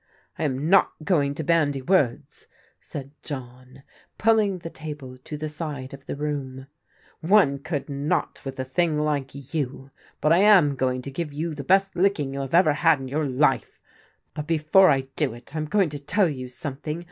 it I am not going to bandy words," said John, pulling the table to the side of the room, " one could not with a thing like you, — but I am going to give you the best licking you have ever had m ^ouc ^It. "Rut before I do jm BARNES TAKES A LICKING 177 it I am going to tell you something.